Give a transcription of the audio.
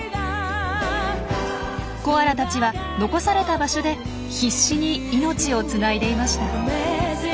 コアラたちは残された場所で必死に命をつないでいました。